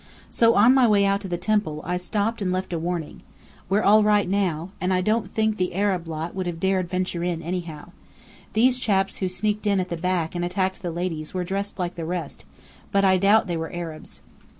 So on my way out to the temple I stopped and left a warning. We're all right now. And I don't think the Arab lot would have dared venture in anyhow. These chaps who sneaked in at the back and attacked the ladies were dressed like the rest, but I doubt they were Arabs."